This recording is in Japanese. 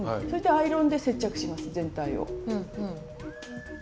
そしてアイロンで接着します全体を。